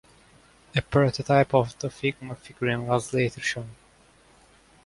A prototype of the Figma figurine was later shown.